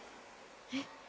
えっ？